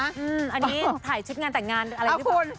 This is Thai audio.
อันนี้ถ่ายชิ้นงานแต่งงาน